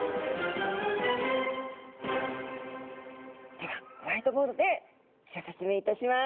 ではホワイトボードでギョ説明いたします。